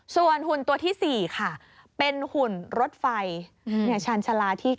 ส่วนหุ่นตัวที่๔ค่ะเป็นหุ่นรถไฟชาญชาลาที่๙